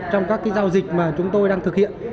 trong các giao dịch mà chúng tôi đang thực hiện